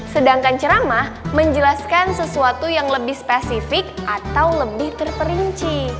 sedangkan ceramah menjelaskan sesuatu yang lebih spesifik atau lebih terperinci